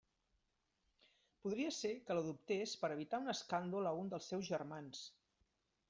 Podria ésser que l'adoptés per evitar un escàndol a un dels seus germans.